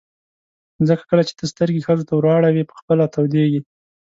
ځکه کله چې ته سترګې ښځو ته ور اړوې په خپله تودېږي.